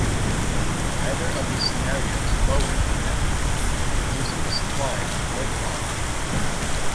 Either of these scenarios lowers the net wage, reducing the supply of labor offered.